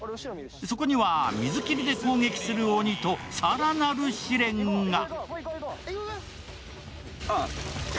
そこには水切りで攻撃する鬼と更なる試練が。